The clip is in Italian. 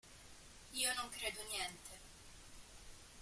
Io non credo niente.